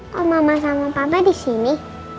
kok mama sama papa disini